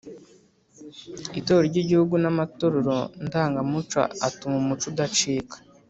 itorero ry’igihugu n’amatorero ndangamuco atuma umuco udacika